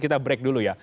kita break dulu ya